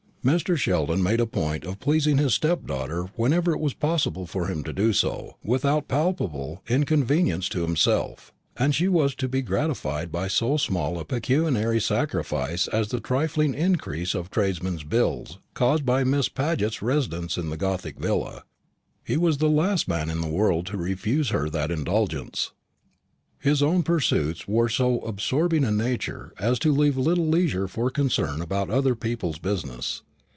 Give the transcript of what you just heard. Mr. Sheldon made a point of pleasing his stepdaughter whenever it was possible for him to do so without palpable inconvenience to himself; and as she was to be gratified by so small a pecuniary sacrifice as the trifling increase of tradesmen's bills caused by Miss Paget's residence in the gothic villa, he was the last man in the world to refuse her that indulgence. His own pursuits were of so absorbing a nature as to leave little leisure for concern about other people's business.